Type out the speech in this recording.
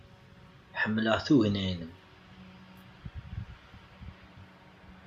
Ḥemmleɣ tugna-nnem.